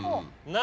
何？